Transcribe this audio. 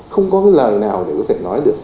không có cái lời nào để có thể